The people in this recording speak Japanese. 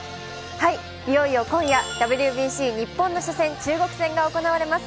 いよいよ今夜ＷＢＣ日本の初戦、中国戦が行われます。